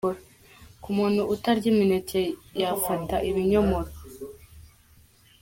Ku muntu utarya imineke yafata ibinyomoro.